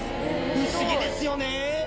不思議ですよね